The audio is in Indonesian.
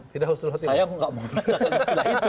tidak usul khatim pak tidak usul khatim